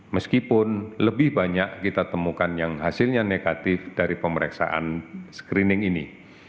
meskipun lebih banyak kita temukan yang hasilnya negatif dari pemeriksaan screening ini